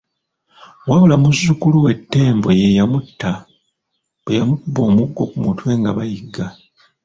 Wabula muzzukulu we, Ttembo ye yamutta bwe yamukuba omuggo ku mutwe nga bayigga.